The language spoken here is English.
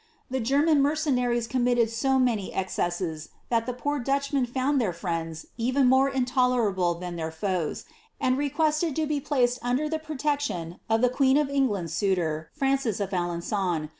The German mercenaries comniilieil so many exr.essps, iliat iIik pnnr Duichmen found iheir friends even more inlolerahle than their foni, and reqtiesied lo be placed under ihe proteciion of ihe queen of Kn^laui)*( suitor, Francis of Alen^on.